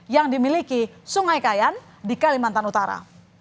yang dimiliki sungai kayan di kalimantan utara